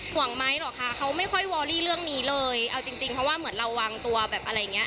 หวังไหมหรอคะเขาไม่ค่อยวอรี่เรื่องนี้เลยเอาจริงจริงเพราะว่าเหมือนเราวางตัวแบบอะไรอย่างเงี้